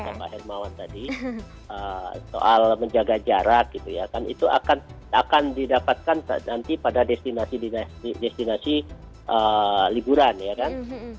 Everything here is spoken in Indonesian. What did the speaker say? nah pak hermawan tadi soal menjaga jarak gitu ya kan itu akan didapatkan nanti pada destinasi liburan ya kan